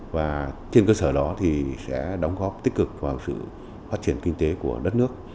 và trên cơ sở đó thì sẽ đóng góp tích cực vào sự phát triển kinh tế của đất nước